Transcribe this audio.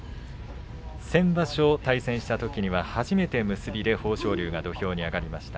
先場所対戦したとき初めて結びで豊昇龍は土俵に上がりました。